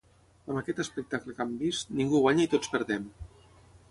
Amb aquest espectacle que hem vist ningú guanya i tots perdem.